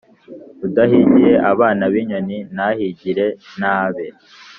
Udahingiye abana b’inyoni ntahingira n’abe